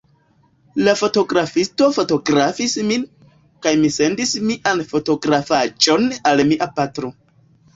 La fotografisto fotografis min, kaj mi sendis mian fotografaĵon al mia patro.